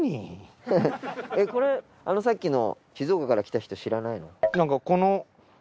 さっきの静岡から来た人知らないの？